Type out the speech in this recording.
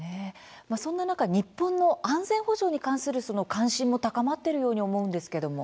そんな中日本の安全保障に関する関心も高まっているように思うんですけれども。